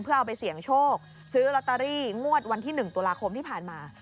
เพื่อเอาไปเสี่ยงโชคซื้อลอตเตอรี่งวดวันที่๑ตุลาคมที่ผ่านมา